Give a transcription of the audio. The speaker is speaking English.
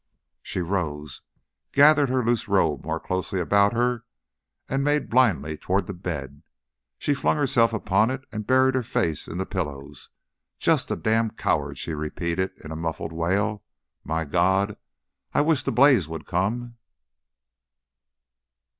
She rose, gathered her loose robe more closely about her, and made blindly toward the bed. She flung herself upon it and buried her face in the pillows. "Just a dam' coward!" she repeated, in a muffled wail. "My God, I wish the blaze would come!"